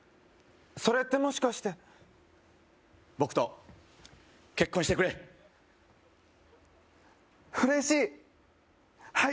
それってもしかして僕と結婚してくれ嬉しい！